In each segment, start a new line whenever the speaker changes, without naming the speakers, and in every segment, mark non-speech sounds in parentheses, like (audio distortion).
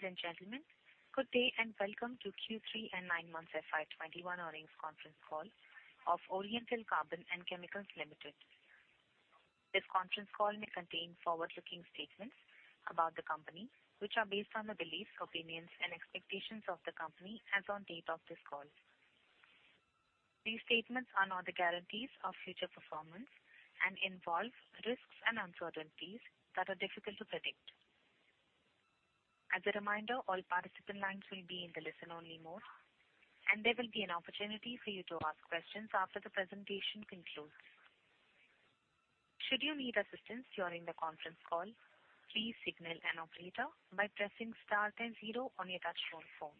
Ladies and gentlemen, good day and welcome to Q3 and nine months FY 2021 earnings conference call of Oriental Carbon and Chemicals Limited. This conference call may contain forward-looking statements about the company, which are based on the beliefs, opinions and expectations of the company as on date of this call. These statements are not the guarantees of future performance and involve risks and uncertainties that are difficult to predict. As a reminder, all participant lines will be in the listen-only mode, and there will be an opportunity for you to ask questions after the presentation concludes. Should you need assistance during the conference call, please signal an operator by pressing star then zero on your touchtone phone.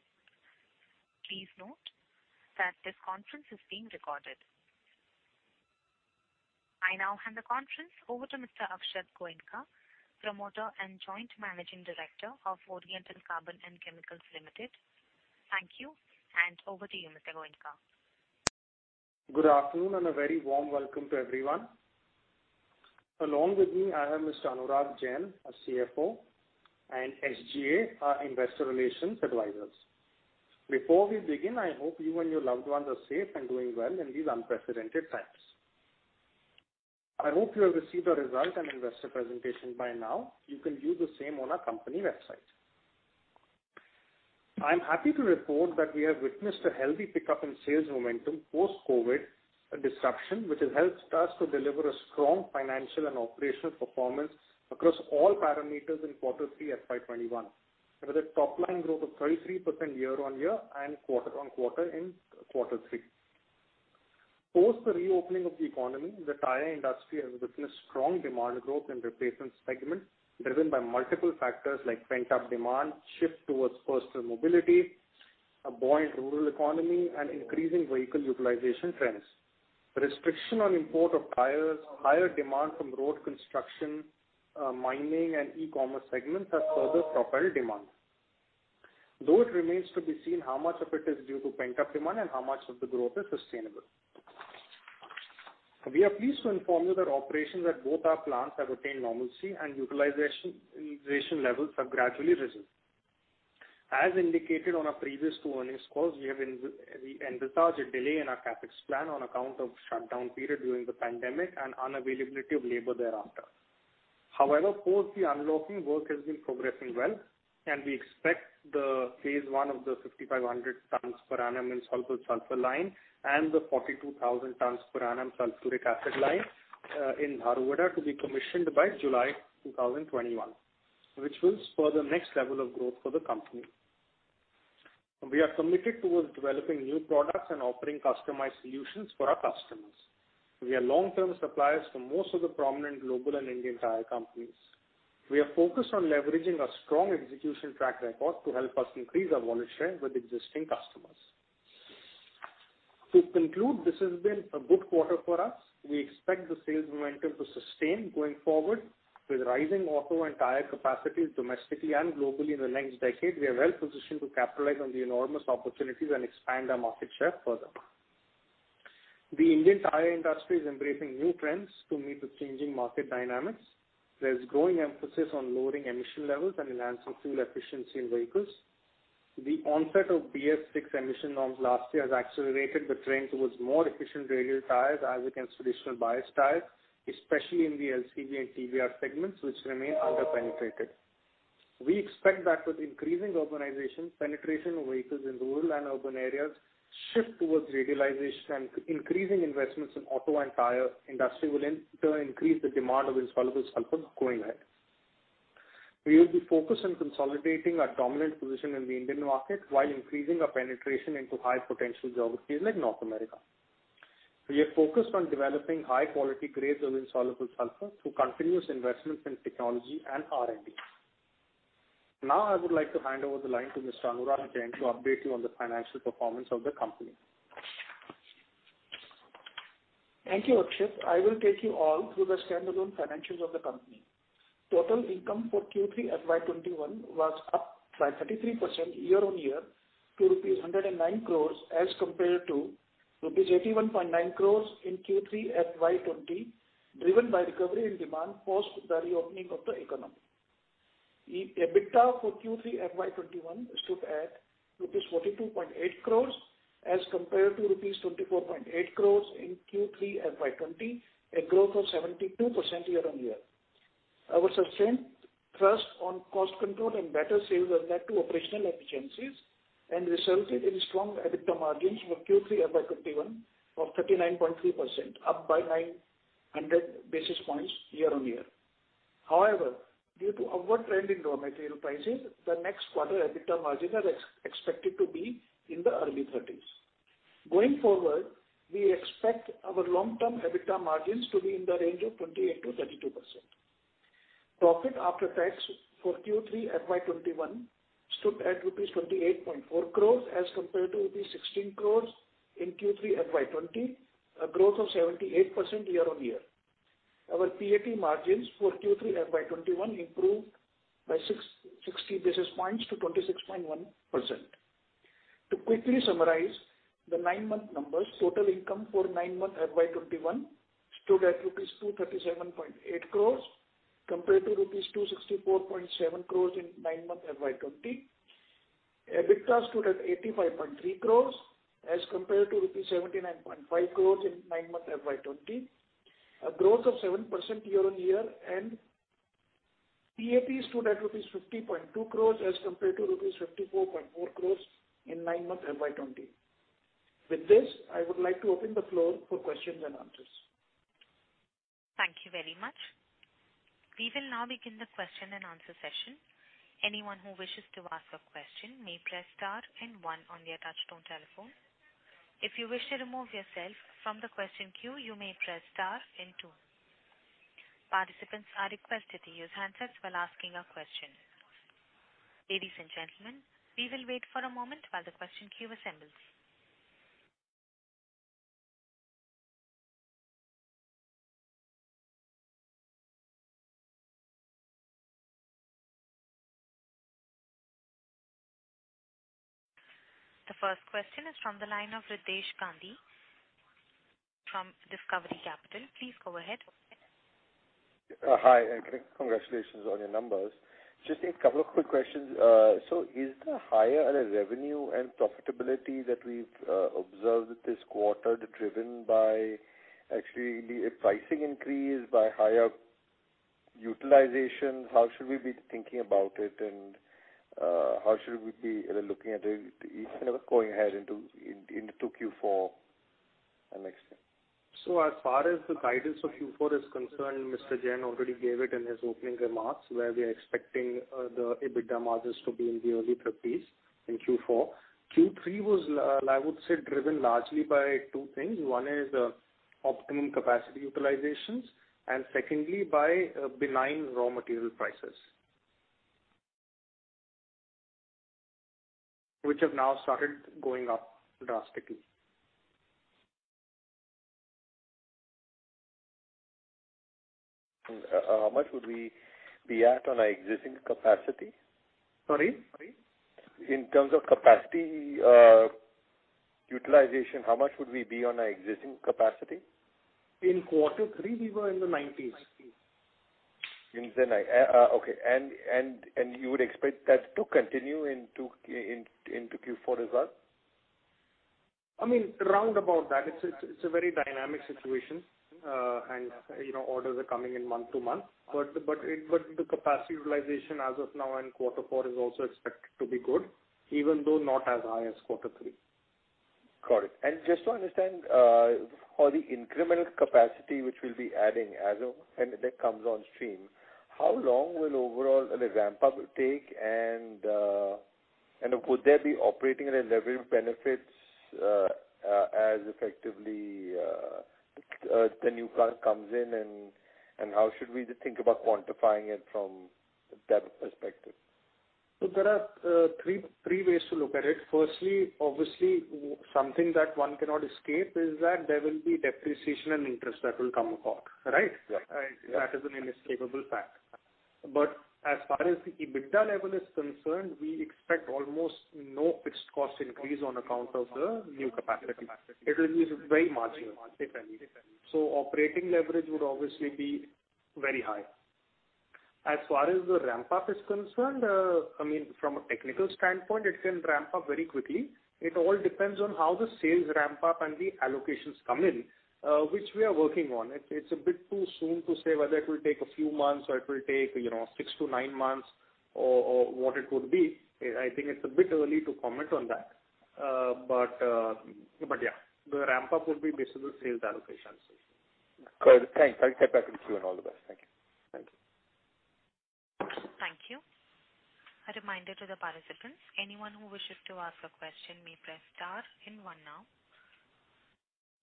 Please note that this conference is being recorded. I now hand the conference over to Mr. Akshat Goenka, promoter and Joint Managing Director of Oriental Carbon and Chemicals Limited. Thank you, and over to you, Mr. Goenka.
Good afternoon and a very warm welcome to everyone. Along with me, I have Mr. Anurag Jain, our CFO, and SGA, our investor relations advisors. Before we begin, I hope you and your loved ones are safe and doing well in these unprecedented times. I hope you have received our result and investor presentation by now. You can view the same on our company website. I'm happy to report that we have witnessed a healthy pickup in sales momentum post-COVID, a disruption which has helped us to deliver a strong financial and operational performance across all parameters in quarter three FY 2021, with a top line growth of 33% year-on-year and quarter-on-quarter in quarter three. Post the reopening of the economy, the tire industry has witnessed strong demand growth in replacement segment, driven by multiple factors like pent-up demand, shift towards personal mobility, a buoyant rural economy and increasing vehicle utilization trends. Restriction on import of tires, higher demand from road construction, mining and e-commerce segments has further propelled demand. Though it remains to be seen how much of it is due to pent-up demand and how much of the growth is sustainable. We are pleased to inform you that operations at both our plants have attained normalcy and utilization levels have gradually resumed. As indicated on our previous two earnings calls, we envisaged a delay in our CapEx plan on account of shutdown period during the pandemic and unavailability of labor thereafter. However, post the unlocking, work has been progressing well and we expect the phase I of the 5,500 tons insoluble sulphur line and the 42,000 tons per annum sulfuric acid line in Dharuhera to be commissioned by July 2021, which will spur the next level of growth for the company. We are committed towards developing new products and offering customized solutions for our customers. We are long-term suppliers for most of the prominent global and Indian tire companies. We are focused on leveraging our strong execution track record to help us increase our volume share with existing customers. To conclude, this has been a good quarter for us. We expect the sales momentum to sustain going forward. With rising auto and tire capacities domestically and globally in the next decade, we are well positioned to capitalize on the enormous opportunities and expand our market share further. The Indian tire industry is embracing new trends to meet the changing market dynamics. There is growing emphasis on lowering emission levels and enhancing fuel efficiency in vehicles. The onset of BS6 emission norms last year has accelerated the trend towards more efficient radial tires as against traditional bias tires, especially in the LCV and TBR segments, which remain under-penetrated. We expect that with increasing urbanization, penetration of vehicles in rural and urban areas, shift towards radialization and increasing investments in auto and tire industry will in turn increase the insoluble sulphur going ahead. We will be focused on consolidating our dominant position in the Indian market while increasing our penetration into high potential geographies like North America. We are focused on developing high quality insoluble sulphur through continuous investments in technology and R&D. Now I would like to hand over the line to Mr. Anurag Jain to update you on the financial performance of the company.
Thank you, Akshat. I will take you all through the standalone financials of the company. Total income for Q3 FY 2021 was up by 33% year-on-year to rupees 109 crores as compared to rupees 81.9 crores in Q3 FY 2020, driven by recovery in demand post the reopening of the economy. EBITDA for Q3 FY 2021 stood at rupees 42.8 crores as compared to rupees 24.8 crores in Q3 FY 2020, a growth of 72% year-on-year. Our sustained thrust on cost control and better sales led to operational efficiencies and resulted in strong EBITDA margins for Q3 FY 2021 of 39.3%, up by 900 basis points year-on-year. However, due to upward trend in raw material prices, the next quarter EBITDA margins are expected to be in the early 30s. Going forward, we expect our long-term EBITDA margins to be in the range of 28%-32%. Profit after tax for Q3 FY 2021 stood at rupees 28.4 crores as compared to rupees 16 crores in Q3 FY 2020, a growth of 78% year-on-year. Our PAT margins for Q3 FY 2021 improved by 60 basis points to 26.1%. To quickly summarize the nine-month numbers, total income for nine months FY 2021 stood at rupees 237.8 crores compared to rupees 264.7 crores in nine months FY 2020. EBITDA stood at 85.3 crores as compared to rupees 79.5 crores in nine months FY 2020, a growth of 7% year-on-year. PAT stood at rupees 50.2 crores as compared to rupees 54.4 crores in nine months FY 2020. With this, I would like to open the floor for questions and answers.
Thank you very much. We will now begin the question and answer session. Anyone who wishes to ask a question, may press star and one on their touchtone telephone. If you wish to remove yourself from the question queue, you may press star and two. Participants are requested to use handsets when asking a question. Ladies and gentlemen, we will wait for a moment while the question queue. (audio distortion) The first question is from the line of Riddhesh Gandhi from Discovery Capital. Please go ahead.
Hi, congratulations on your numbers. Just a couple of quick questions. Is the higher revenue and profitability that we've observed this quarter driven by actually a pricing increase by higher utilization? How should we be thinking about it, how should we be looking at it going ahead into Q4 and next year?
As far as the guidance of Q4 is concerned, Mr. Jain already gave it in his opening remarks, where we are expecting the EBITDA margins to be in the early 30s in Q4. Q3 was, I would say, driven largely by two things. One is optimum capacity utilizations, and secondly, by benign raw material prices which have now started going up drastically.
How much would we be at on our existing capacity?
Sorry?
In terms of capacity utilization, how much would we be on our existing capacity?
In quarter three, we were in the 90s.
Okay. You would expect that to continue into Q4 as well?
I mean, around about that. It's a very dynamic situation. Orders are coming in month to month. The capacity utilization as of now in quarter four is also expected to be good, even though not as high as quarter three.
Just to understand for the incremental capacity, which we'll be adding as and when that comes on stream, how long will overall the ramp-up take and would there be operating and leverage benefits as effectively the new plant comes in? How should we think about quantifying it from an EBITDA perspective?
There are three ways to look at it. Firstly, obviously, something that one cannot escape is that there will be depreciation and interest that will come across, right? That is an inescapable fact. As far as the EBITDA level is concerned, we expect almost no fixed cost increase on account of the new capacity. It will be very marginal, if any. Operating leverage would obviously be very high. As far as the ramp-up is concerned, from a technical standpoint, it can ramp up very quickly. It all depends on how the sales ramp-up and the allocations come in, which we are working on. It's a bit too soon to say whether it will take a few months or it will take six to nine months, or what it would be. I think it's a bit early to comment on that. The ramp-up would be based on the sales allocations.
Got it. Thanks. I'll get back in queue and all the best. Thank you.
Thank you. A reminder to the participants, anyone who wishes to ask a question may press star and one now.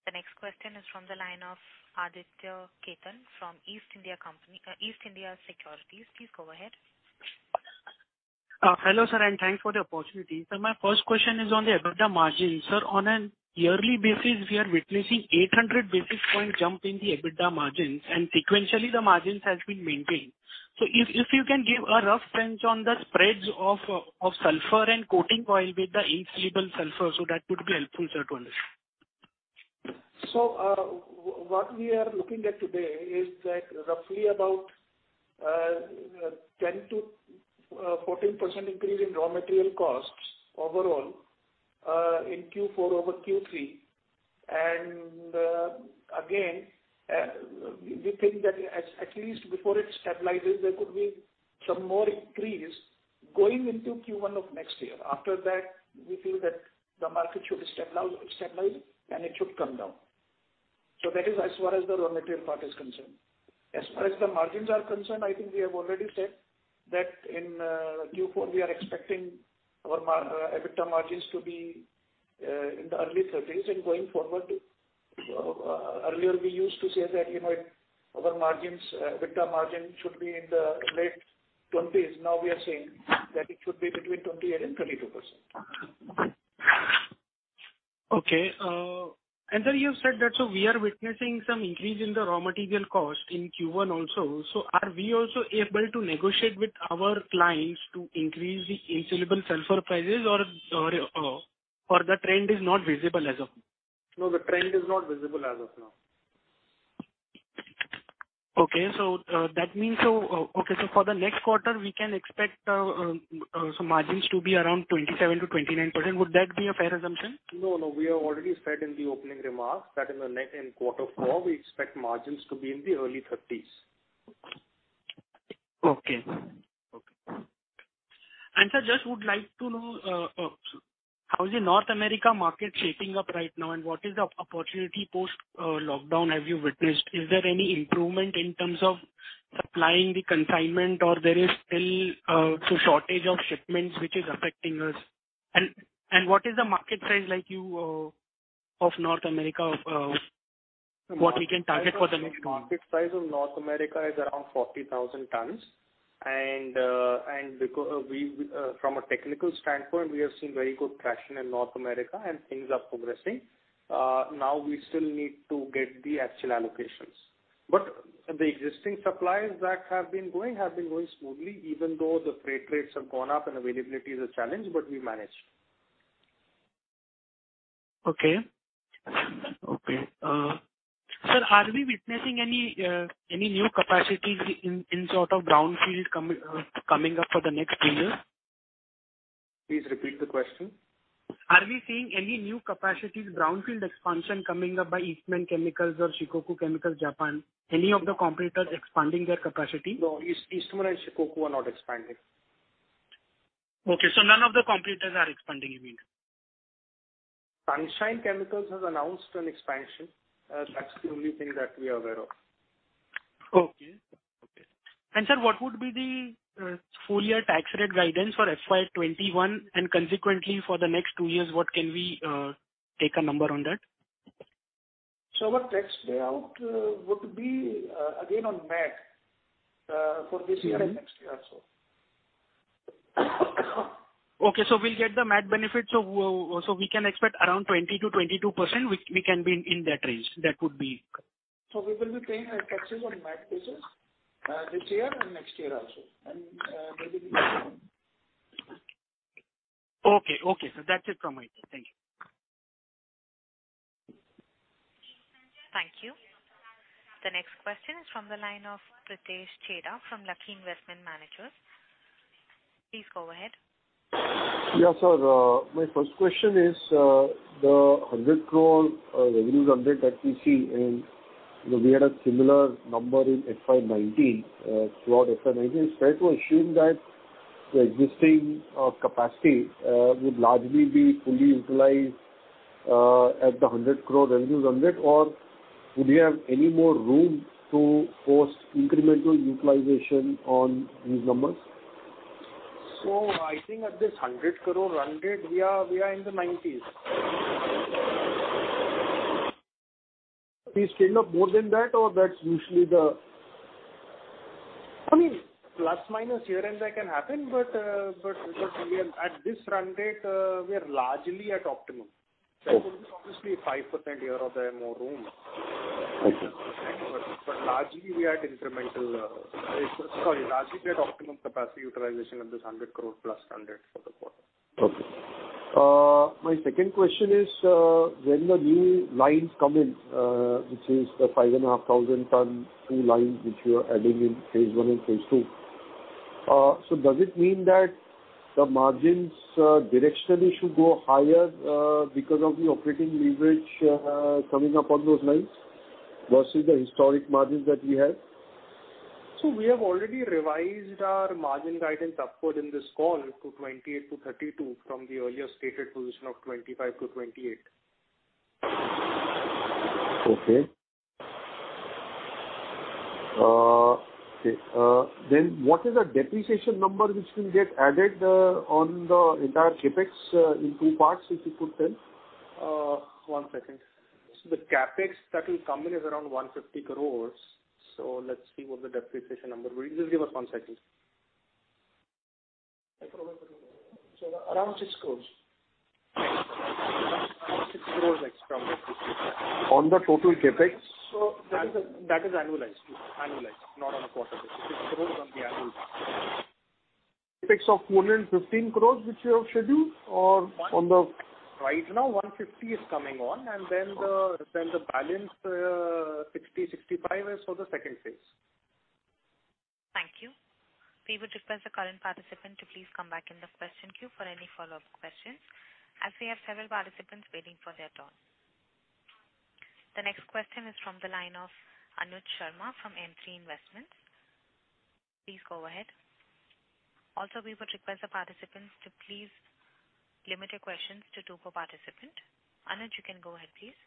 The next question is from the line of Aditya Khetan from East India Securities. Please go ahead.
Hello, sir, thanks for the opportunity. My first question is on the EBITDA margin. Sir, on a yearly basis, we are witnessing 800 basis point jump in the EBITDA margins, and sequentially the margins has been maintained. If you can give a rough bench on the spreads of sulfur and coating oil insoluble sulphur, so that would be helpful, sir, to understand.
What we are looking at today is that roughly about 10%-14% increase in raw material costs overall in Q4 over Q3. Again we think that at least before it stabilizes, there could be some more increase going into Q1 of next year. After that, we feel that the market should stabilize, and it should come down. That is as far as the raw material part is concerned. As far as the margins are concerned, I think we have already said that in Q4 we are expecting our EBITDA margins to be in the early 30s and going forward. Earlier we used to say that our EBITDA margin should be in the late 20s. Now we are saying that it should be between 28% and 32%.
Sir, you said that we are witnessing some increase in the raw material cost in Q1 also. Are we also able to negotiate with our clients insoluble sulphur sales prices or the trend is not visible as of?
No, the trend is not visible as of now.
For the next quarter we can expect some margins to be around 27%-29%. Would that be a fair assumption?
No. We have already said in the opening remarks that in quarter four, we expect margins to be in the early 30s.
Sir, just would like to know, how is the North America market shaping up right now and what is the opportunity post-lockdown have you witnessed? Is there any improvement in terms of supplying the consignment or there is still some shortage of shipments which is affecting us? What is the market size of North America, what we can target for the next one?
Market size of North America is around 40,000 tons. From a technical standpoint, we have seen very good traction in North America and things are progressing. Now we still need to get the actual allocations. The existing supplies that have been going, have been going smoothly even though the freight rates have gone up and availability is a challenge, but we manage.
Sir, are we witnessing any new capacities in sort of brownfield coming up for the next three years?
Please repeat the question?
Are we seeing any new capacities, brownfield expansion coming up by Eastman Chemical or Shikoku Chemicals Japan, any of the competitors expanding their capacity?
No, Eastman and Shikoku are not expanding.
None of the competitors are expanding you mean?
Sunsine Chemicals has announced an expansion. That's the only thing that we are aware of.
Sir, what would be the full year tax rate guidance for FY 2021 and consequently for the next two years, what can we take a number on that?
Our tax payout would be again on MAT for this year and next year also.
We'll get the MAT benefit. We can expect around 20%-22%, we can be in that range.
We will be paying our taxes on MAT basis this year and next year also. Maybe.
Sir, that's it from my side. Thank you.
Thank you. The next question is from the line of Pritesh Chheda from Lucky Investment Managers. Please go ahead.
Sir, my first question is, the 100 crore revenues run rate that we see and we had a similar number in FY 2019. Throughout FY 2019, fair to assume that the existing capacity would largely be fully utilized at the 100 crore revenues run rate or would you have any more room to post incremental utilization on these numbers?
I think at this 100 crore run rate, we are in the 90s.
We scaled up more than that or that's usually the
I mean, plus, minus here and there can happen, but because at this run rate, we are largely at optimum. There could be obviously 5% here or there more room. Sorry, largely we are at optimum capacity utilization of this 100 crore plus run rate for the quarter.
My second question is, when the new lines come in, which is the 5,500 tons two lines which you are adding in phase I and phase II. Does it mean that the margins directionally should go higher because of the operating leverage coming up on those lines versus the historic margins that we have?
We have already revised our margin guidance upward in this call to 28%-32% from the earlier stated position of 25%-28%.
What is the depreciation number which will get added on the entire CapEx in two parts, if you could tell?
One second. The CapEx that will come in is around 150 crores. Let's see what the depreciation number will be. Just give us one second. Around INR 6 crores. INR 6 crores extra.
On the total CapEx?
That is annualized. Not on a quarterly. INR 6 crores on the annual.
CapEx of 115 crores, which you have should do?
Right now, 150 is coming on, and then the balance 60-65 is for the second phase.
Thank you. We would request the current participant to please come back in the question queue for any follow-up questions, as we have several participants waiting for their turn. The next question is from the line of Anuj Sharma from Emkay Investments. Please go ahead. Also, we would request the participants to please limit your questions to two per participant. Anuj, you can go ahead, please.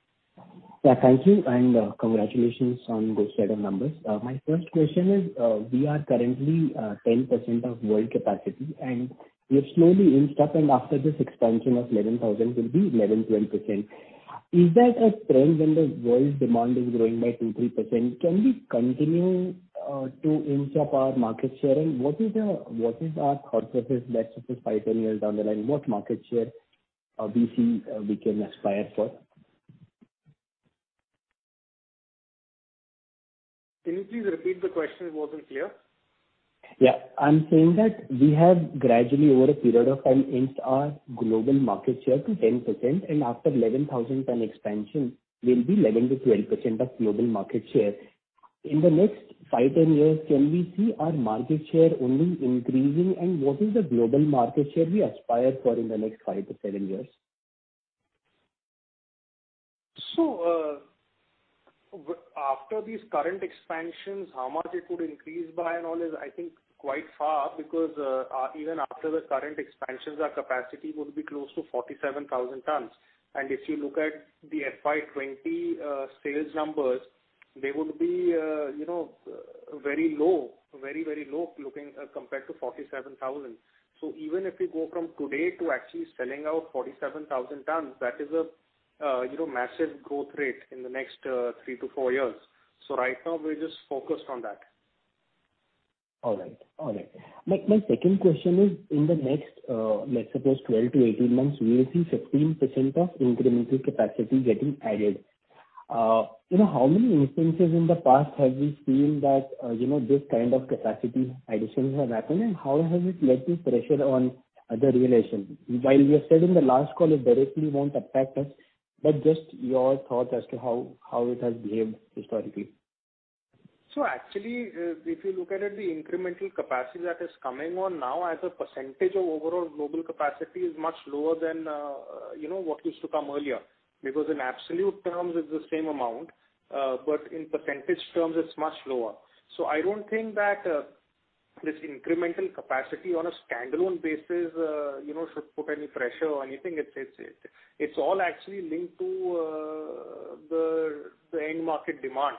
Thank you, and congratulations on those set of numbers. My first question is, we are currently 10% of world capacity, and we have slowly inched up and after this expansion of 11,000 will be 11%-12%. Is that a trend when the world demand is growing by 2%-3%? Can we continue to inched up our market share? What is our thought process let's say for five, 10 years down the line? What market share we see we can aspire for?
Can you please repeat the question? It wasn't clear.
I'm saying that we have gradually, over a period of time, inched our global market share to 10%. After 11,000 ton expansion, we'll be 11%-12% of global market share. In the next five,10 years, can we see our market share only increasing? What is the global market share we aspire for in the next five to seven years?
After these current expansions, how much it could increase by and all is, I think, quite far because even after the current expansions, our capacity would be close to 47,000 tons. If you look at the FY 2020 sales numbers, they would be very low. Very, very low looking compared to 47,000. Even if we go from today to actually selling out 47,000 tons, that is a massive growth rate in the next three to four years. Right now, we're just focused on that.
All right. My second question is, in the next, let's suppose 12-18 months, we will see 15% of incremental capacity getting added. How many instances in the past have we seen that this kind of capacity additions have happened, and how has it led to pressure on the realizations? While we have said in the last call it directly won't affect us, but just your thoughts as to how it has behaved historically.
Actually, if you look at it, the incremental capacity that is coming on now as a percentage of overall global capacity is much lower than what used to come earlier. In absolute terms, it's the same amount. In percentage terms, it's much lower. I don't think that this incremental capacity on a standalone basis should put any pressure or anything. It's all actually linked to the end market demand.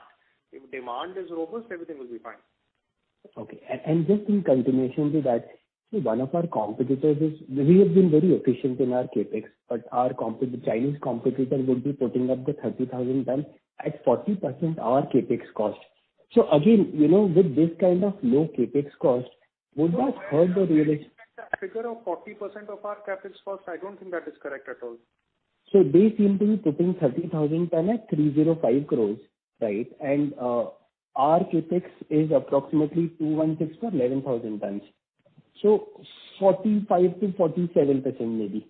If demand is robust, everything will be fine.
Just in continuation to that, see, one of our competitors is we have been very efficient in our CapEx, but our Chinese competitor would be putting up the 30,000 tons at 40% our CapEx cost. Again, with this kind of low CapEx cost, would that hurt the relations?
The figure of 40% of our CapEx cost, I don't think that is correct at all.
They seem to be putting 30,000 tons at 305 crore. Right? Our CapEx is approximately 216 for 11,000 tons. 45%-47%, maybe.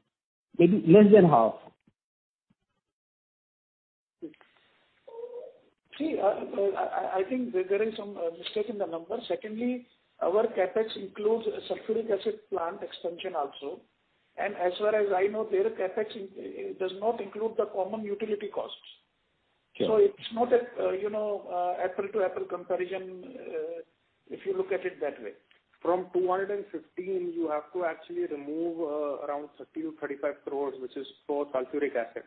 Maybe less than half.
See, I think there is some mistake in the numbers. Secondly, our CapEx includes sulfuric acid plant expansion also. As far as I know, their CapEx does not include the common utility costs. It's not an apple-to-apple comparison if you look at it that way. From 215 crores you have to actually remove around 30 crores-35 crores which is for sulfuric acid.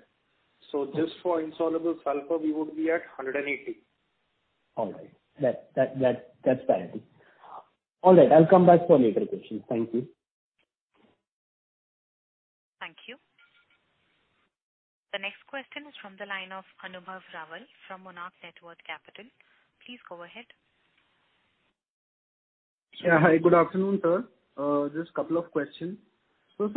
insoluble sulphur we would be at 180 crores.
All right. That's better. All right. I'll come back for later questions. Thank you.
Thank you. The next question is from the line of Anubhav Rawat from Monarch Networth Capital. Please go ahead.
Hi, good afternoon, sir. Just couple of questions. Sir,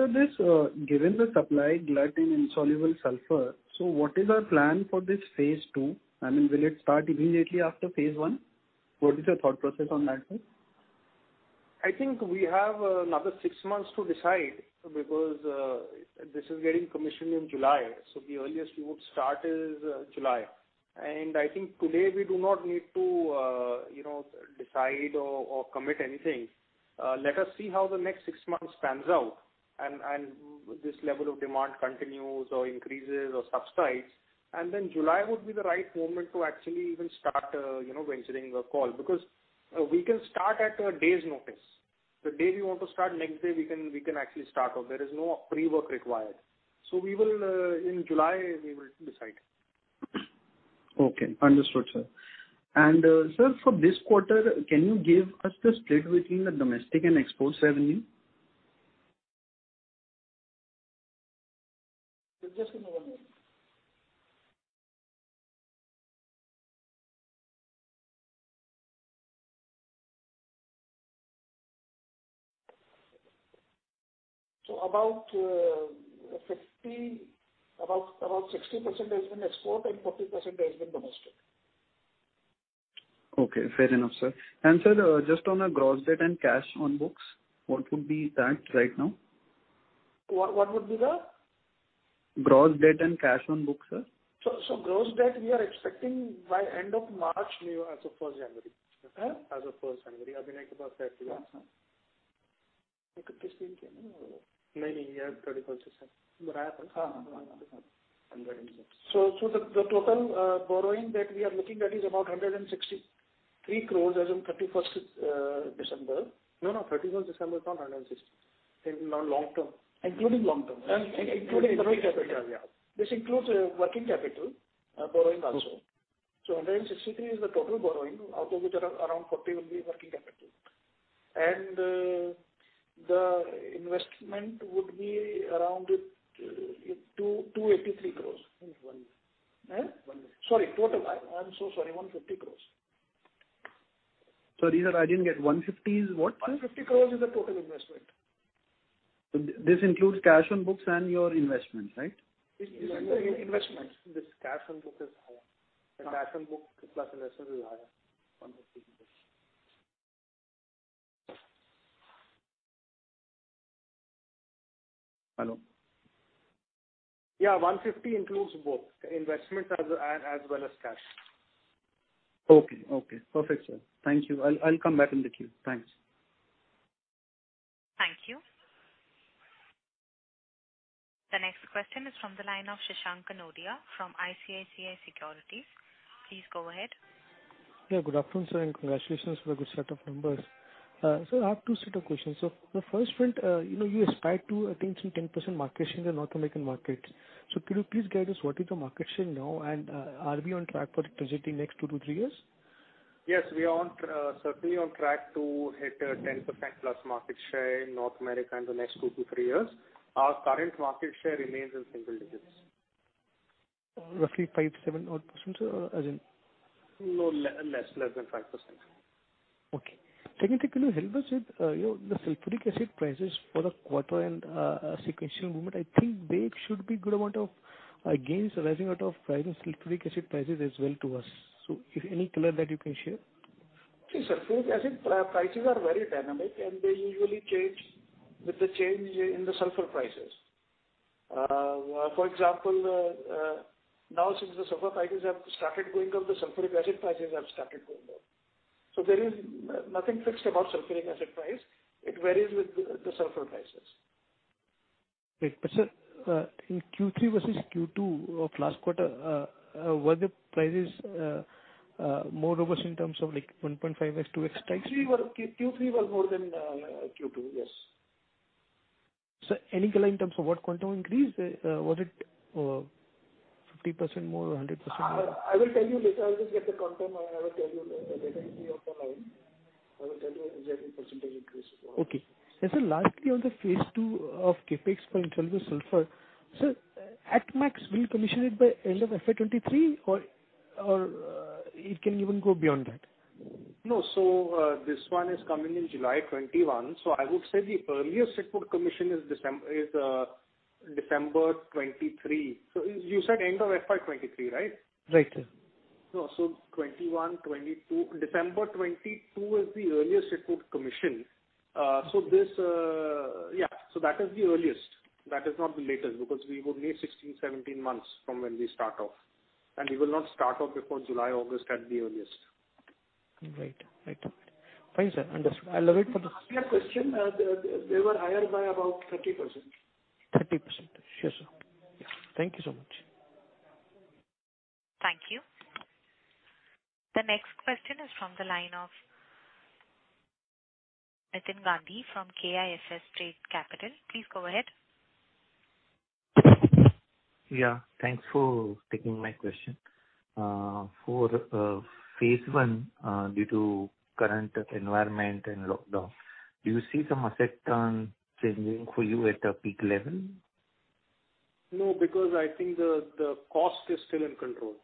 given the supply insoluble sulphur, what is our plan for this phase II? I mean, will it start immediately after phase I? What is your thought process on that front?
I think we have another six months to decide because this is getting commissioned in July. The earliest we would start is July. I think today we do not need to decide or commit anything. Let us see how the next six months pans out, and this level of demand continues or increases or subsides. July would be the right moment to actually even start considering a call. We can start at a day's notice. The day we want to start, next day we can actually start off. There is no pre-work required. In July we will decide.
Understood, sir. Sir, for this quarter, can you give us the split between the domestic and export revenue?
Just give me one minute. About 60% has been export and 40% has been domestic.
Fair enough, sir. Sir, just on our gross debt and cash on books, what would be that right now?
What would be the?
Gross debt and cash on books, sir.
Gross debt we are expecting by end of March as of January 1st. As of January 1st . The total borrowing that we are looking at is about 163 crores as on December 31st.
No, no. December 31st it's not 160. In long-term.
Including long-term.
Including working capital.
This includes working capital borrowing also. 163 is the total borrowing, out of which around 40 will be working capital. The investment would be around 283 crores. Sorry, total. I'm so sorry. 150 crores.
Sorry, sir, I didn't get. 150 is what?
150 crore is the total investment.
This includes cash on books and your investment, right?
This is the investment.
This cash on book is higher. The cash on books plus investment is higher, INR 150 crores.
150 includes both, investment as well as cash.
Perfect, sir. Thank you. I'll come back in the queue. Thanks.
Thank you. The next question is from the line of Shashank Kanodia from ICICI Securities. Please go ahead.
Good afternoon, sir, and congratulations for the good set of numbers. I have two sets of questions. The first one, you aspire to attain some 10% market share in the North American market. Could you please guide us what is the market share now, and are we on track for achieving next two to three years?
We are certainly on track to hit 10% plus market share in North America in the next two to three years. Our current market share remains in single digits.
Roughly 5%-7% odd, sir?
No, less than 5%.
Secondly, can you help us with the sulfuric acid prices for the quarter and sequential movement? I think there should be good amount of gains arising out of rising sulfuric acid prices as well to us. Any color that you can share?
Sure, sir. I think prices are very dynamic, they usually change with the change in the sulfur prices. For example, now since the sulfur prices have started going up, the sulfuric acid prices have started going up. There is nothing fixed about sulfuric acid price. It varies with the sulfur prices.
Sir, in Q3 versus Q2 of last quarter, were the prices more robust in terms of like 1.5x, 2x?
Q3 was more than Q2, yes.
Sir, any color in terms of what quantum increase? Was it 50% more or 100% more?
I will tell you later. I'll just get the quantum, and I will tell you later. It will be off the line. I will tell you the exact percentage increase.
Sir, lastly, on the phase II insoluble sulphur, sir, at max, we'll commission it by end of FY 2023 or it can even go beyond that?
This one is coming in July 2021. I would say the earliest it would commission is December 2023. You said end of FY 2023, right? 2021, 2022. December 2022 is the earliest it would commission. That is the earliest. That is not the latest, because we would need 16, 17 months from when we start off, and we will not start off before July, August at the earliest.
Right. Fine, sir. Understood. I'll wait for the.
To answer your question, they were higher by about 30%.
30%. Sure, sir. Thank you so much.
Thank you. The next question is from the line of Nitin Gandhi from KIFS Trade Capital. Please go ahead.
Thanks for taking my question. For phase I, due to current environment and lockdown, do you see some asset turn changing for you at a peak level?
No, because I think the cost is still in control.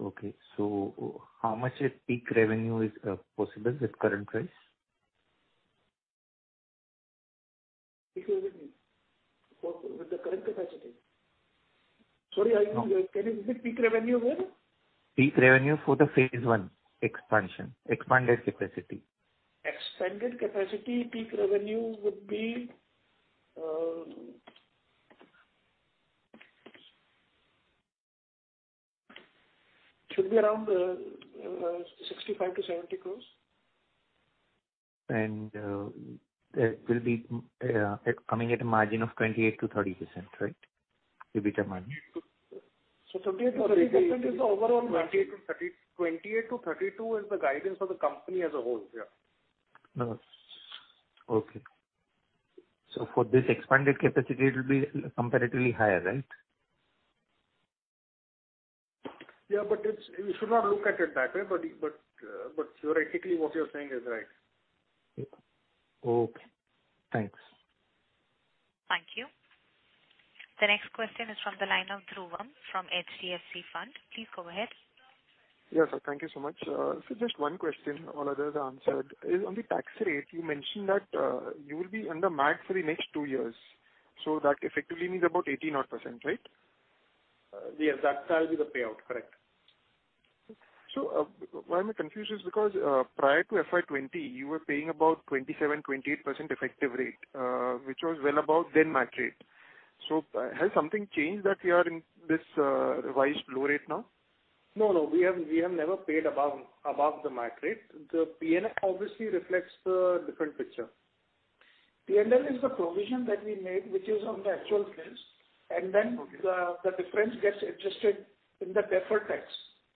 Okay, how much is peak revenue is possible with current price?
Peak revenue with the current capacity? Sorry, can you repeat peak revenue again?
Peak revenue for the phase I expansion, expanded capacity.
Expanded capacity, peak revenue should be around 65 crore-70 crore.
That will be coming at a margin of 28%-30%, right? EBITDA margin.
28%-30% is the overall, 28%-32% is the guidance for the company as a whole.
For this expanded capacity, it will be comparatively higher, right?
You should not look at it that way. Theoretically, what you're saying is right.
Okay. Thanks.
Thank you. The next question is from the line of Dhruvam from HDFC Fund. Please go ahead.
Thank you so much. Just one question, all others are answered. On the tax rate, you mentioned that you will be under MAT for the next two years. That effectively means about 18%, right?
Yes, that will be the payout. Correct.
Why I'm confused is because prior to FY 2020, you were paying about 27%, 28% effective rate, which was well above then MAT rate. Has something changed that you are in this revised low rate now?
No, we have never paid above the MAT rate. The P&L obviously reflects the different picture.
P&L is the provision that we made, which is on the actual rates, and then the difference gets adjusted in the deferred tax.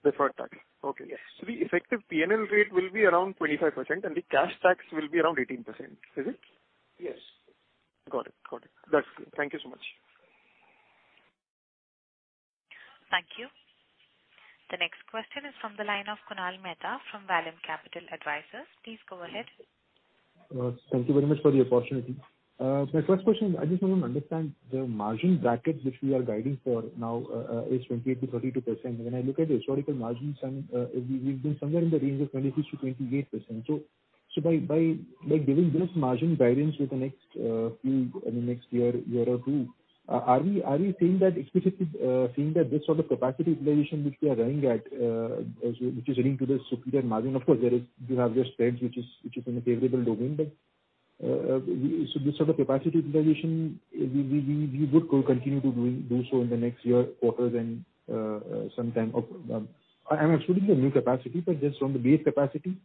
Deferred tax. Okay.
Yes.
The effective P&L rate will be around 25%, and the cash tax will be around 18%, is it?
Yes.
Got it. That's good. Thank you so much.
The next question is from the line of Kunal Mehta from Vallum Capital Advisors. Please go ahead.
Thank you very much for the opportunity. My first question, I just want to understand the margin bracket which we are guiding for now is 28%-32%. When I look at historical margins, we've been somewhere in the range of 26%-28%. By giving this margin guidance with the next year or two, are we specifically seeing that this sort of capacity utilization which we are running at, which is running to the superior margin? Of course, you have your spreads which is in a favorable domain. This sort of capacity utilization, we would continue to do so in the next year quarters and sometime. I'm excluding the new capacity, but just from the base capacity,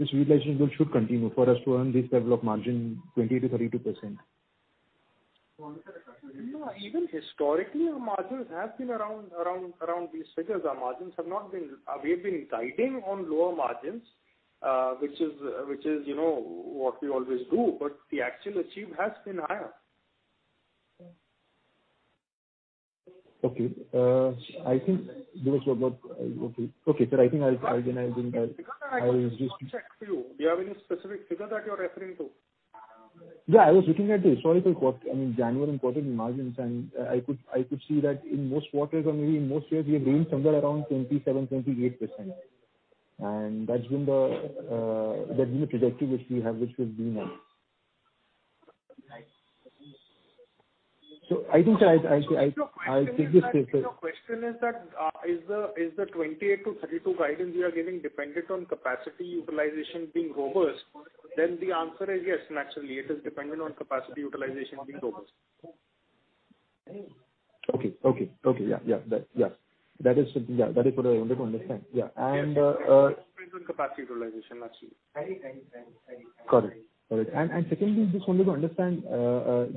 this utilization should continue for us to earn this level of margin, 20%-32%.
Even historically, our margins have been around these figures. We have been guiding on lower margins, which is what we always do. The actual achievement has been higher.
Okay, sir.
Kunal, can I just double check for you, do you have any specific figure that you're referring to?
I was looking at the historical, January and quarter margins, and I could see that in most quarters or maybe in most years, we have ranged somewhere around 27%, 28%. That's been the trajectory which we have, which we've been on.
If your question is that, is the 28%-32% guidance we are giving dependent on capacity utilization being robust, then the answer is yes. Naturally, it is dependent on capacity utilization being robust.
Okay. Yeah. That is what I wanted to understand.
Dependent on capacity utilization, actually.
Correct. Secondly, just wanted to understand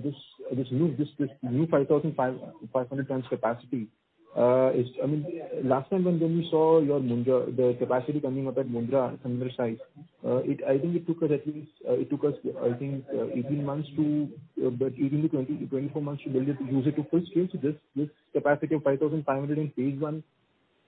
this new 5,500 tons capacity. Last time when we saw the capacity coming up at Mundra, similar size, I think it took us 18 months to, but even the 24 months to build it, use it to full scale. This capacity of 5,500 in phase I,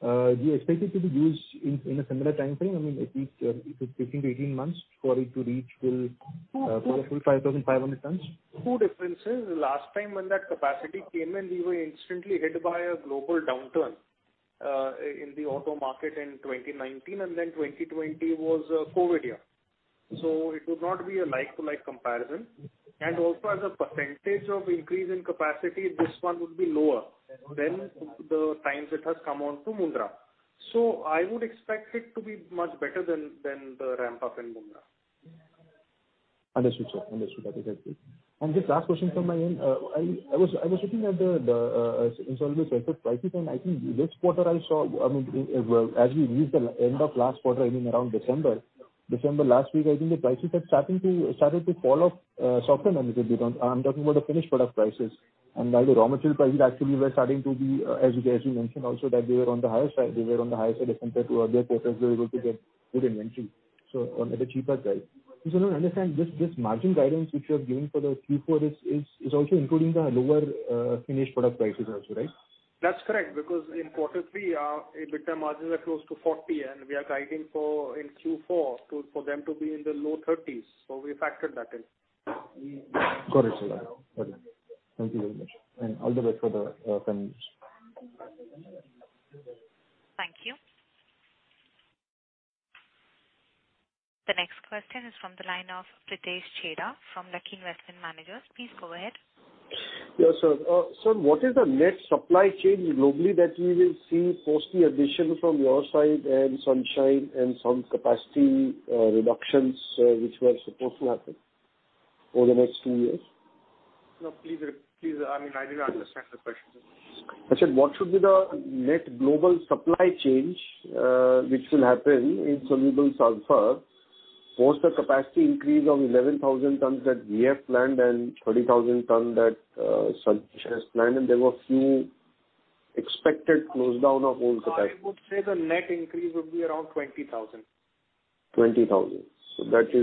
do you expect it to be used in a similar timeframe? At least 15-18 months for it to reach full 5,500 tons?
Two differences. Last time when that capacity came in, we were instantly hit by a global downturn in the auto market in 2019, and then 2020 was a COVID year. It would not be a like-to-like comparison. Also as a percentage of increase in capacity, this one would be lower than the times it has come on to Mundra. I would expect it to be much better than the ramp-up in Mundra.
Understood, sir. This last question from my end. I was looking insoluble sulphur prices, and I think this quarter I saw, as we reached the end of last quarter, in around December. Last week, I think the prices had started to fall off sharply, I'm talking about the finished product prices. While the raw material prices actually were starting to be, as you mentioned also, that they were on the higher side as compared to other quarters, we were able to get good inventory at a cheaper price. Just want to understand, this margin guidance which you have given for the Q4 is also including the lower finished product prices also, right?
That's correct, because in quarter three, EBITDA margins are close to 40%, and we are guiding for in Q4 for them to be in the low 30s%. We factored that in.
Got it, sir. Thank you very much. All the best for the earnings.
Thank you. The next question is from the line of Pritesh Chheda from Lucky Investment Managers. Please go ahead.
Sir, what is the net supply chain globally that we will see post the addition from your side and Sunsine and some capacity reductions which were supposed to happen over the next two years?
No, please. I didn't understand the question.
I said what should be the net global supply change which will insoluble sulphur post the capacity increase of 11,000 tons that we have planned and 30,000 tons that China Sunsine has planned, and there were few expected closures of old capacity.
I would say the net increase would be around 20,000.
20,000.
If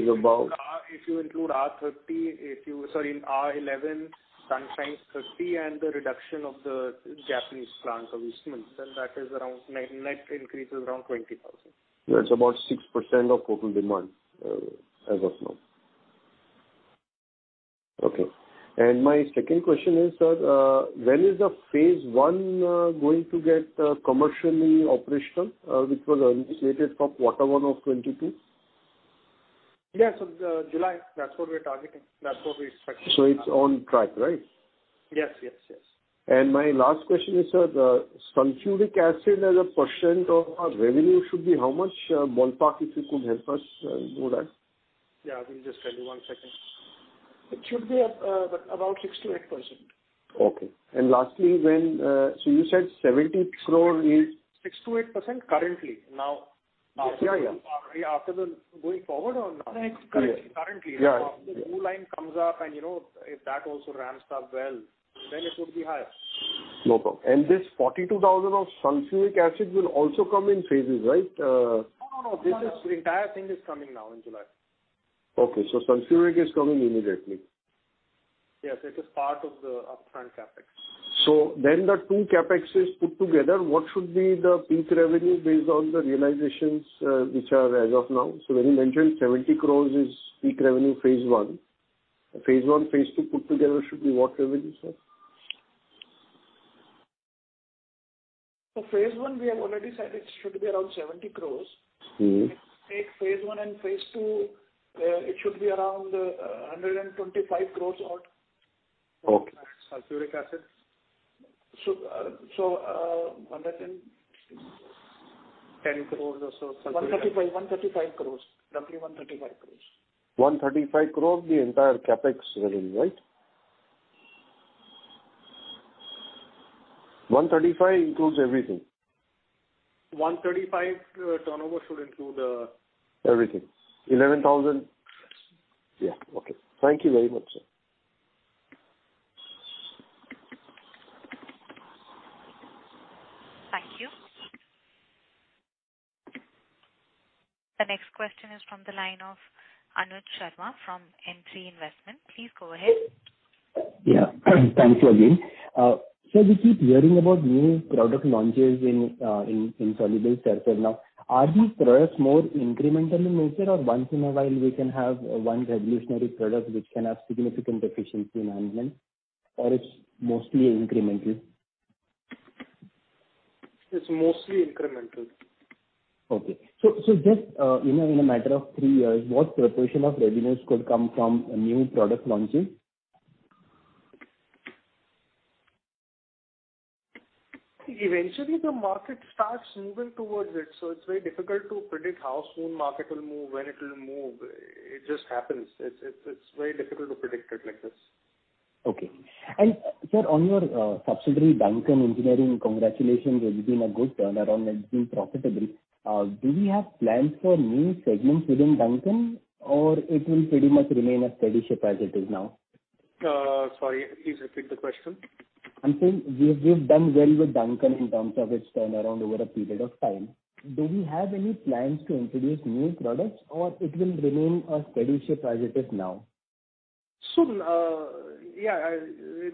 you include Sorry, our 11, Sunsine's 30, and the reduction of the Japanese plant of Eastman's, then net increase is around 20,000.
That's about 6% of total demand as of now. My second question is, sir, when is the phase I going to get commercially operational, which was initiated from quarter one of 2022?
July, that's what we're targeting. That's what we expecting.
It's on track, right?
Yes.
My last question is, sir, sulfuric acid as a percent of our revenue should be how much? Ballpark, if you could help us do that.
Yeah, we'll just tell you. One second. It should be about 6%-8%.
Okay. Lastly, you said 70 crore is
6%-8% currently. Now.
After the going forward or now? (crosstalk)
After the blue line comes up if that also ramps up well, it would be higher.
No problem. This 42,000 of sulfuric acid will also come in phases, right?
No. This entire thing is coming now in July.
Okay. sulfuric is coming immediately.
Yes, it is part of the upfront CapEx.
The two CapEx is put together, what should be the peak revenue based on the realizations which are as of now? When you mentioned 70 crore is peak revenue, phase I. phase I, phase II put together should be what revenue, sir?
phase I, we have already said it should be around 70 crores. If you take phase I and phase II, it should be around 125 crore out. Sulfuric acids. 10 crore or so. 135 crores. Roughly 135 crores.
135 crore, the entire CapEx revenue, right? 135 includes everything?
135 turnover should include.
Everything. Okay. Thank you very much, sir.
Thank you. The next question is from the line of Anuj Sharma from Emkay Investment. Please go ahead.
Thank you again. Sir, we keep hearing about new product insoluble sulphur now. are these products more incremental in nature or once in a while we can have one revolutionary product which can have significant efficiency enhancement, or it's mostly incremental?
It's mostly incremental.
Just in a matter of three years, what proportion of revenues could come from new product launches?
Eventually the market starts moving towards it, so it's very difficult to predict how soon market will move, when it will move. It just happens. It's very difficult to predict it like this.
Sir, on your subsidiary, Duncan Engineering, congratulations. It has been a good turnaround and been profitable. Do we have plans for new segments within Duncan or it will pretty much remain a steady ship as it is now?
Sorry, please repeat the question.
I'm saying, you've done well with Duncan in terms of its turnaround over a period of time. Do we have any plans to introduce new products or it will remain a steady ship as it is now?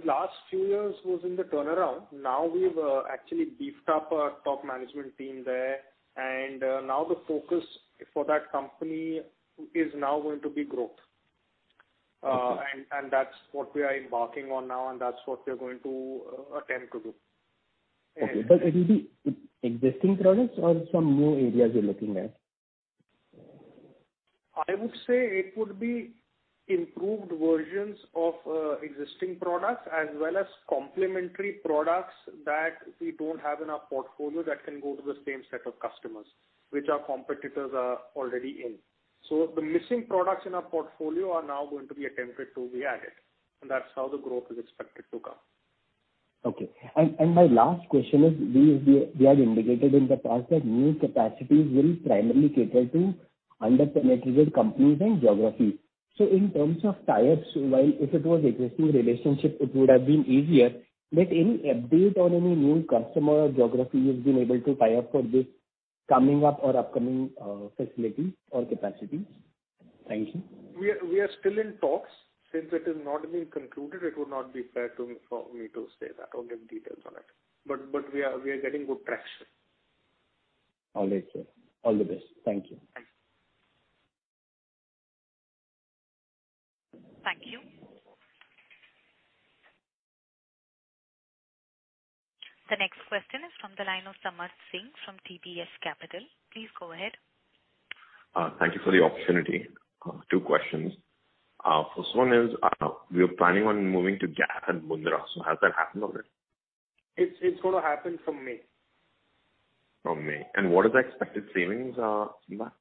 Last few years was in the turnaround. Now we've actually beefed up our top management team there, and now the focus for that company is now going to be growth. That's what we are embarking on now and that's what we're going to attempt to do.
It will be existing products or some new areas you're looking at?
I would say it would be improved versions of existing products as well as complementary products that we don't have in our portfolio that can go to the same set of customers, which our competitors are already in. The missing products in our portfolio are now going to be attempted to be added, and that's how the growth is expected to come.
My last question is, we had indicated in the past that new capacities will primarily cater to under-penetrated companies and geographies. In terms of tie-ups, while if it was existing relationship it would have been easier, but any update on any new customer or geography you've been able to tie up for this coming up or upcoming facility or capacities? Thank you.
We are still in talks. Since it has not been concluded, it would not be fair for me to say that or give details on it. We are getting good traction.
All right, sir. All the best. Thank you.
Thanks.
Thank you. The next question is from the line of Samarth Singh from TBS Capital. Please go ahead.
Thank you for the opportunity. Two questions. First one is, we are planning on moving to gas at Mundra. Has that happened already?
It's going to happen from May.
From May. What is the expected savings in that?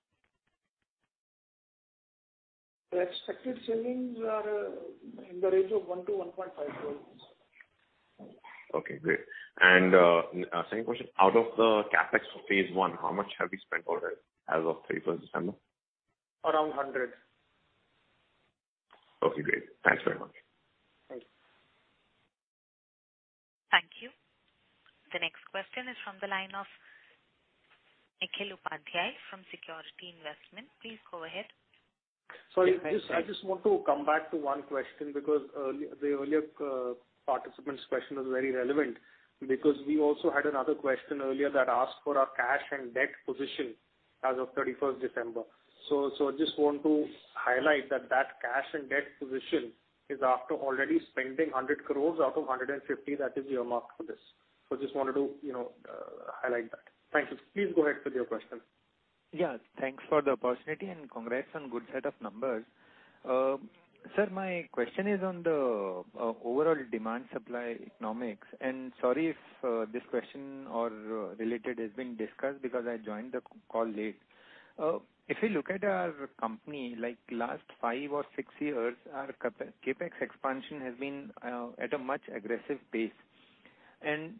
The expected savings are in the range of 1 crore - 1.5 crores.
Okay, great. Second question, out of the CapEx for phase I, how much have you spent already as of December 31st?
Around 100.
Okay, great. Thanks very much.
Thank you.
Thank you. The next question is from the line of Nikhil Upadhyay from Security Investment. Please go ahead.
Sorry. I just want to come back to one question because the earlier participant's question was very relevant because we also had another question earlier that asked for our cash and debt position as of December 31st. Just want to highlight that that cash and debt position is after already spending 100 crore out of 150 that is earmarked for this. Just wanted to highlight that. Thank you. Please go ahead with your question.
Thanks for the opportunity and congrats on good set of numbers. Sir, my question is on the overall demand supply economics, and sorry if this question or related has been discussed because I joined the call late. If you look at our company, like last five or six years, our CapEx expansion has been at a much aggressive pace.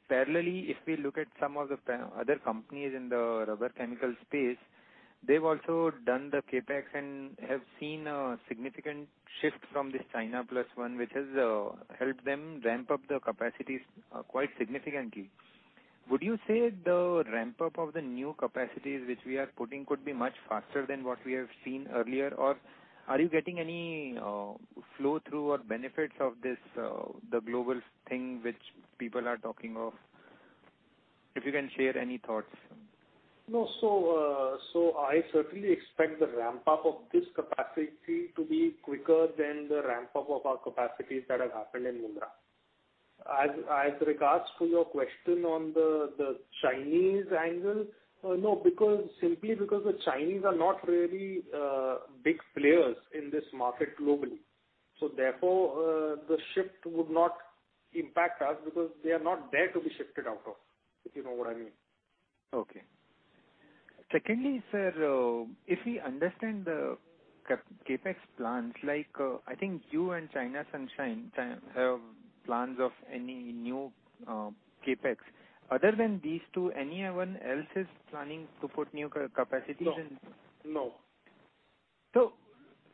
Parallelly, if we look at some of the other companies in the rubber chemical space, they've also done the CapEx and have seen a significant shift from this China plus one which has helped them ramp up the capacities quite significantly. Would you say the ramp-up of the new capacities which we are putting could be much faster than what we have seen earlier? Are you getting any flow through or benefits of the global thing which people are talking of? If you can share any thoughts.
I certainly expect the ramp-up of this capacity to be quicker than the ramp-up of our capacities that have happened in Mundra. As regards to your question on the Chinese angle, no, simply because the Chinese are not really big players in this market globally. Therefore, the shift would not impact us because they are not there to be shifted out of, if you know what I mean.
Secondly, sir, if we understand the CapEx plans, I think you and China Sunsine have plans of any new CapEx. Other than these two, anyone else is planning to put new capacities in?
No.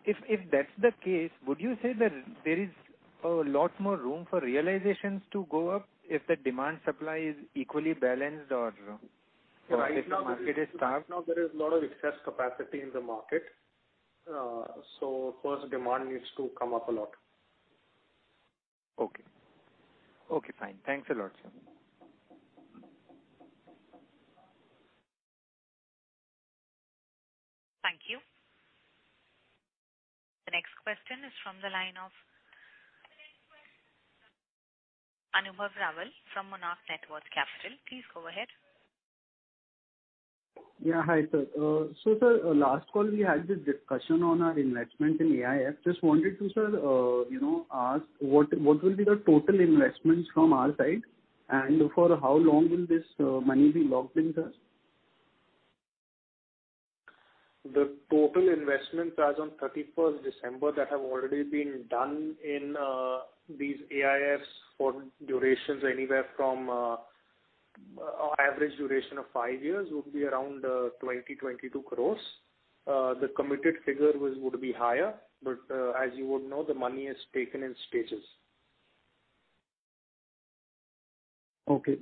If that's the case, would you say that there is a lot more room for realizations to go up if the demand-supply is equally balanced or if the market is tough?
Right now, there is a lot of excess capacity in the market. First, demand needs to come up a lot.
Okay. Fine. Thanks a lot, sir.
Thank you. The next question is from the line of Anubhav Rawat from Monarch Networth Capital. Please go ahead.
Sir, last call we had this discussion on our investment in AIF. Just wanted to, sir, ask what will be the total investments from our side, and for how long will this money be locked in, sir?
The total investments as on December 31st that have already been done in these AIFs for durations anywhere from an average duration of five years would be around 20 crores-22 crores. The committed figure would be higher, as you would know, the money is taken in stages.
Any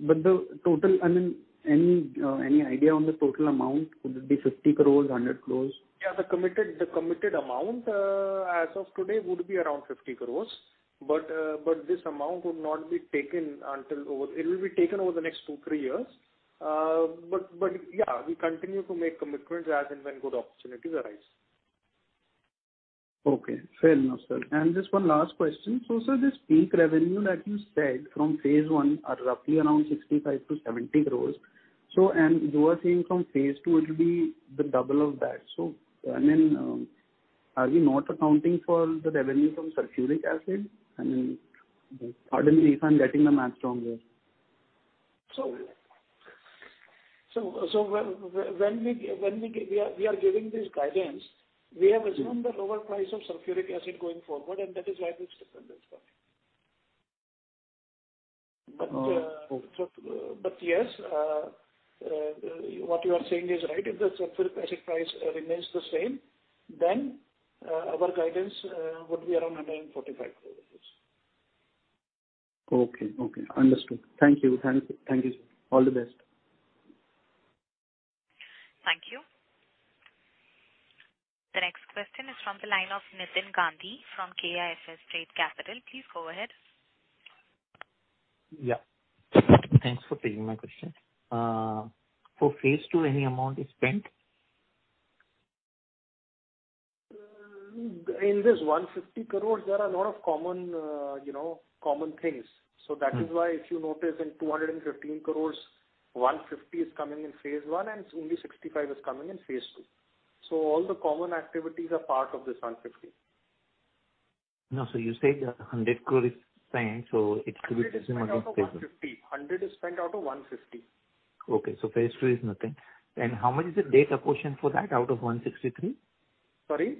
idea on the total amount? Would it be 50 crores, 100 crores?
The committed amount, as of today, would be around 50 crore, but this amount will be taken over the next two, three years. We continue to make commitments as and when good opportunities arise.
Fair enough, sir. Just one last question. Sir, this peak revenue that you said from phase I are roughly around 65 crore-70 crore. You are saying from phase II it will be the double of that. Are we not accounting for the revenue from sulfuric acid? Pardon me if I'm getting the math wrong here.
When we are giving this guidance, we have assumed the lower price of sulfuric acid going forward, and that is why we've taken that spot. Yes, what you are saying is right. If the sulfuric acid price remains the same, then our guidance would be around 145 crores rupees.
Understood. Thank you. All the best.
Thank you. The next question is from the line of Nitin Gandhi from KIFS Trade Capital. Please go ahead.
Thanks for taking my question. For phase II, any amount is spent?
In this 150 crore, there are a lot of common things. That is why if you notice in 215 crore, 150 is coming in phase I and only 65 is coming in phase II. All the common activities are part of this 150.
You said 100 crore is spent, so it should be-
100 is spent out of 150.
Okay, phase II is nothing. How much is the debt apportioned for that out of 163?
Sorry.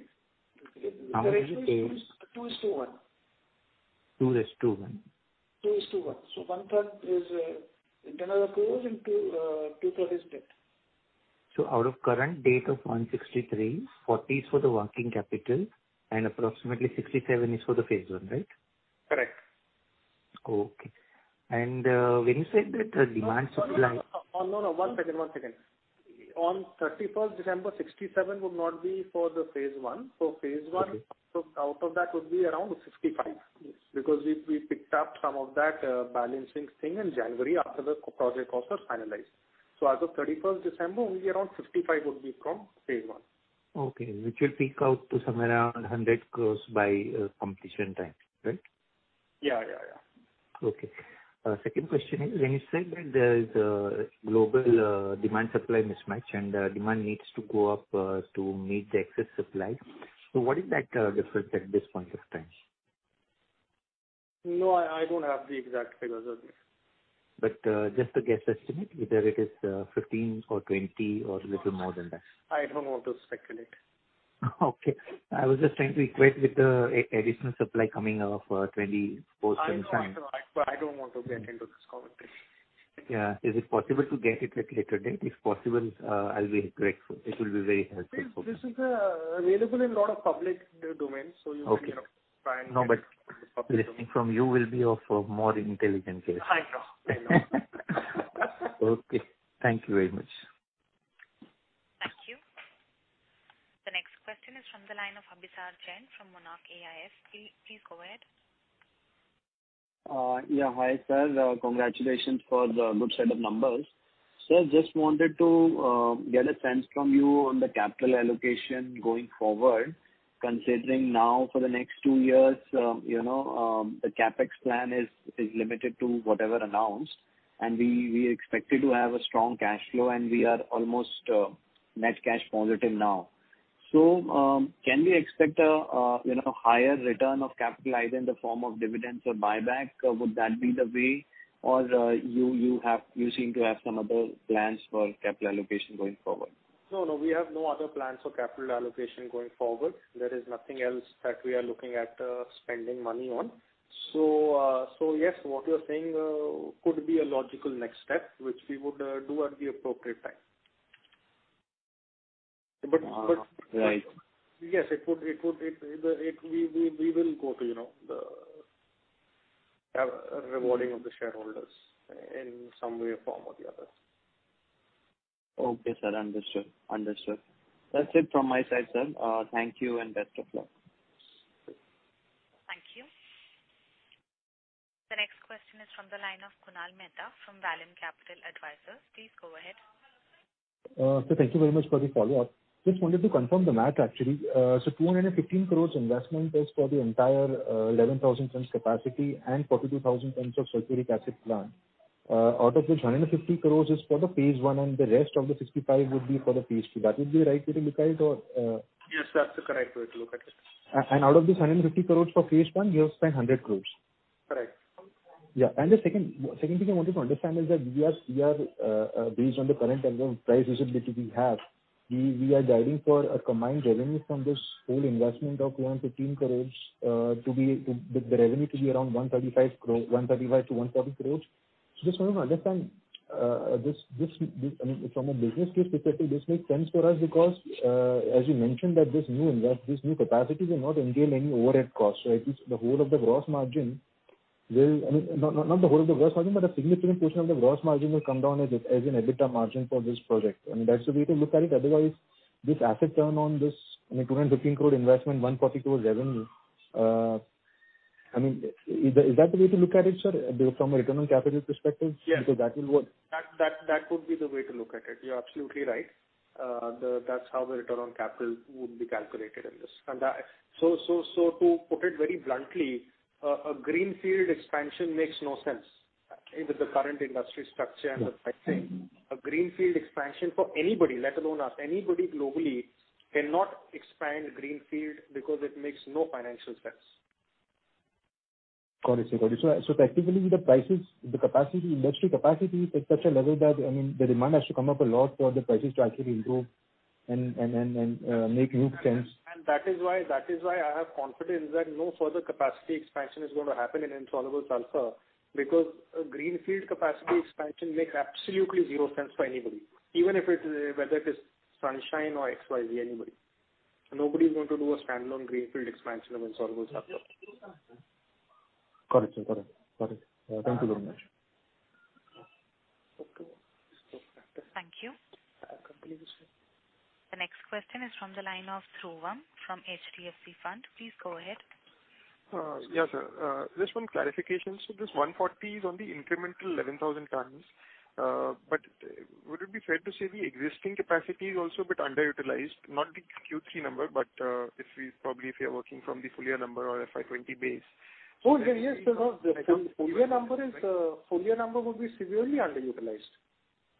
How much is the-
The ratio is 2:1.
2:1.
2:1. (audio distortion) is internal accruals and INR 2 crore is debt.
Out of current debt of 163, 40 is for the working capital and approximately 67 is for the phase I, right?
Correct.
When you said that the demand supply
No. One second. On December 31st, 67 would not be for the phase I. Out of that would be around 65. We picked up some of that balancing thing in January after the project costs are finalized. As of December 31st, only around 55 would be from phase I.
Which will peak out to somewhere around 100 crore by completion time, right?
Yeah.
Second question is, when you said that there's a global demand-supply mismatch and demand needs to go up to meet the excess supply. What is that difference at this point of time?
No, I don't have the exact figures of this.
Just a guess estimate, whether it is 15 or 20 or a little more than that.
I don't want to speculate.
I was just trying to equate with the additional supply coming of 24/7.
I don't want to get into this conversation.
Is it possible to get it at later date? If possible, I'll be grateful. It will be very helpful.
This is available in lot of public domains, so you can try and get it.
Listening from you will be of more intelligent guess.
I know.
Thank you very much.
Thank you. The next question is from the line of Abhisar Jain from Monarch AIF. Please go ahead.
Hi, sir. Congratulations for the good set of numbers. Sir, just wanted to get a sense from you on the capital allocation going forward, considering now for the next two years, the CapEx plan is limited to whatever announced, and we expected to have a strong cash flow, and we are almost net cash positive now. Can we expect a higher return of capital either in the form of dividends or buyback? Would that be the way? You seem to have some other plans for capital allocation going forward?
No, we have no other plans for capital allocation going forward. There is nothing else that we are looking at spending money on. What you’re saying could be a logical next step, which we would do at the appropriate time. We will go to rewarding of the shareholders in some way or form or the other.
Okay, sir. Understood. That's it from my side, sir. Thank you and best of luck.
Thank you. The next question is from the line of Kunal Mehta from Vallum Capital Advisors. Please go ahead.
Sir, thank you very much for the follow-up. Just wanted to confirm the math, actually. 215 crore investment is for the entire 11,000 tons capacity and 42,000 tons of sulfuric acid plant. Out of which 150 crore is for the phase I and the rest of the 65 would be for the phase II. That would be the right way to look at it or-
Yes, that's the correct way to look at it.
Out of this 150 crores for phase I, you have spent 100 crores.
Correct.
The second thing I wanted to understand is that based on the current level of price visibility we have. We are guiding for a combined revenue from this whole investment of 215 crores, the revenue to be around 135 crores-140 crores. Just wanted to understand from a business case perspective, this makes sense for us because, as you mentioned, this new capacity will not entail any overhead costs, right? Not the whole of the gross margin, but a significant portion of the gross margin will come down as an EBITDA margin for this project. I mean, that's the way to look at it. Otherwise, this asset turn on this 215 crore investment, 140 crore revenue. Is that the way to look at it, sir, from a return on capital perspective?
Yes.
That will work.
That would be the way to look at it. You're absolutely right. That's how the return on capital would be calculated in this. To put it very bluntly, a greenfield expansion makes no sense with the current industry structure and the pricing. A greenfield expansion for anybody, let alone us, anybody globally cannot expand greenfield because it makes no financial sense.
Got it. Effectively, with the capacity, industrial capacity is such a level that the demand has to come up a lot for the prices to actually improve and make new sense.
That is why I have confidence that no further capacity expansion is going to insoluble sulphur because a greenfield capacity expansion makes absolutely zero sense for anybody, even whether it is Sunsine or XYZ, anybody. Nobody's going to do a standalone greenfield expansion of insoluble sulphur.
Got it, sir. Thank you very much.
Thank you. The next question is from the line of Dhruvam from HDFC Fund. Please go ahead.
Just one clarification. This 140 is on the incremental 11,000 tons. Would it be fair to say the existing capacity is also a bit underutilized, not the Q3 number, probably if you're working from the full year number or FY 2020 base?
Yes, because the full year number would be severely underutilized.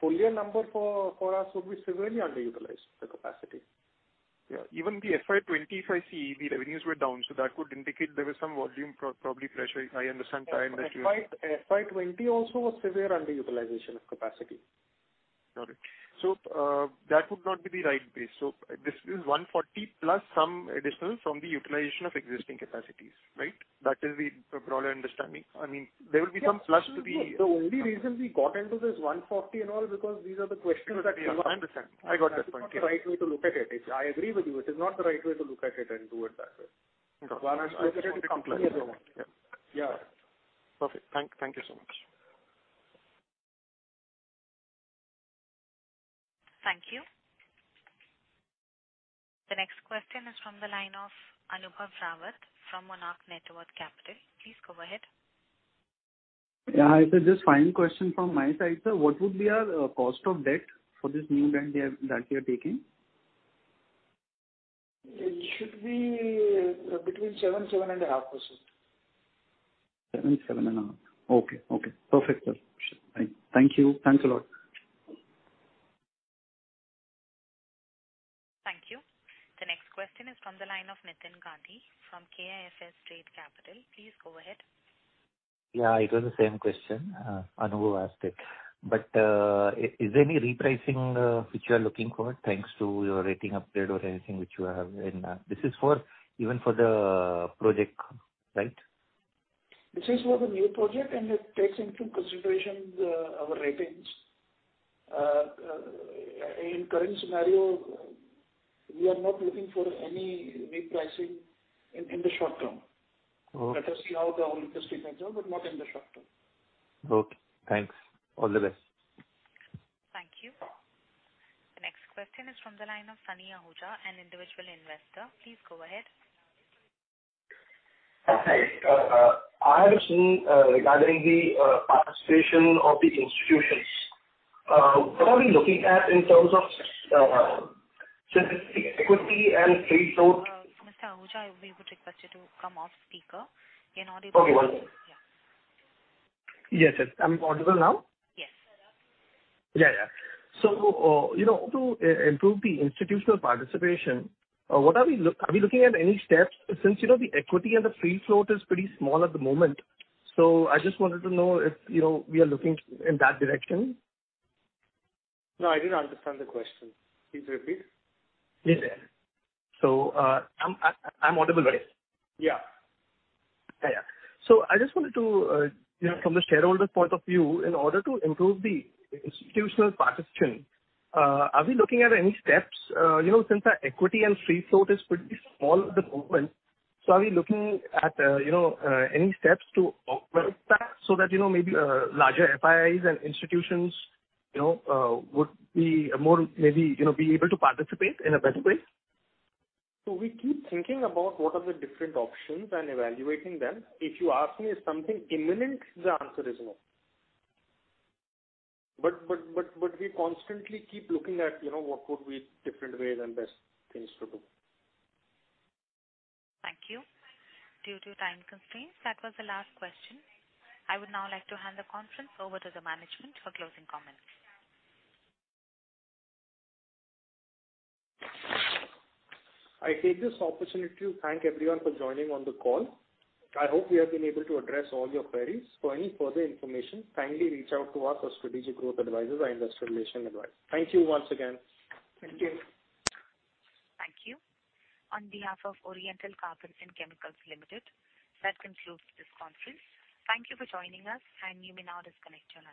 Full year number for us would be severely underutilized, the capacity.
Even the FY 2020, if I see, the revenues were down, that would indicate there was some volume probably pressure.
FY 2020 also was severe underutilization of capacity.
Got it. That would not be the right base. This is 140 plus some additional from the utilization of existing capacities, right? That is the broader understanding.
The only reason we got into this 140 and all because these are the questions that come up.
I understand. I got that point. (crosstalk)
That's not the right way to look at it. I agree with you. It is not the right way to look at it and do it that way. (crosstalk)
Perfect. Thank you so much.
Thank you. The next question is from the line of Anubhav Rawat from Monarch Networth Capital. Please go ahead.
Just final question from my side, sir. What would be our cost of debt for this new CapEx that we are taking?
It should be between 7%-7.5%.
7%-7.5%. Okay. Perfect, sir. Thank you. Thanks a lot.
Thank you. The next question is from the line of Nitin Gandhi from KIFS Trade Capital. Please go ahead.
It was the same question Anubhav asked it. Is there any repricing which you are looking for, thanks to your rating upgrade or anything which you have in that? This is even for the project, right?
This is for the new project, and it takes into consideration our ratings. In current scenario, we are not looking for any repricing in the short term. Let us see how the whole industry pans out, but not in the short term.
Okay, thanks. All the best.
Thank you. The next question is from the line of Sunny Ahuja, an individual investor. Please go ahead.
Hi. I have a question regarding the participation of the institutions. What are we looking at in terms of equity and free float?
Mr. Ahuja, we would request you to come off speaker.
Okay, one second. Yes. I'm audible now?
Yes.
To improve the institutional participation, are we looking at any steps, since the equity and the free float is pretty small at the moment. I just wanted to know if we are looking in that direction?
No, I didn't understand the question. Please repeat.
I'm audible, right?
Yeah.
I just wanted to, from the shareholder's point of view, in order to improve the institutional participation, are we looking at any steps? Since our equity and free float is pretty small at the moment, so are we looking at any steps to augment that so that maybe larger FIIs and institutions would maybe be able to participate in a better way?
We keep thinking about what are the different options and evaluating them. If you ask me, is something imminent, the answer is no. We constantly keep looking at what could be different ways and best things to do.
Thank you. Due to time constraints, that was the last question. I would now like to hand the conference over to the management for closing comments.
I take this opportunity to thank everyone for joining on the call. I hope we have been able to address all your queries. For any further information, kindly reach out to us or Strategic Growth Advisors or investor relation advisor. Thank you once again.
Thank you.
Thank you. On behalf of Oriental Carbon and Chemicals Limited, that concludes this conference. Thank you for joining us, and you may now disconnect your line.